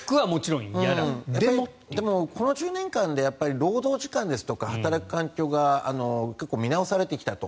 でもこの１０年間で労働時間ですとか働く環境が見直されてきたと。